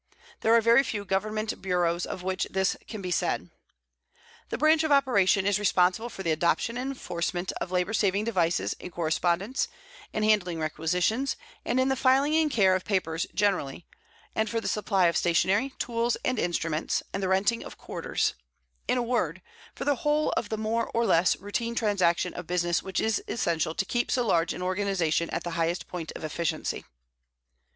There are very few Government bureaus of which this can be said. The Branch of Operation is responsible for the adoption and enforcement of labor saving devices in correspondence, in handling requisitions, and in the filing and care of papers generally, and for the supply of stationery, tools, and instruments, and the renting of quarters, in a word, for the whole of the more or less routine transaction of business which is essential to keep so large an organization at the highest point of efficiency.